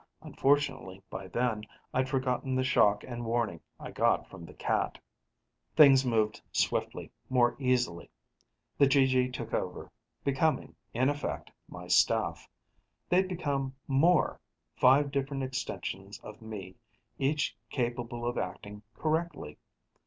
Unfortunately, by then, I'd forgotten the shock and warning I got from the cat. Things moved swiftly, more easily. The GG took over, becoming, in effect, my staff. They'd become more: five different extensions of me, each capable of acting correctly.